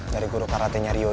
dari guru karate nya rio itu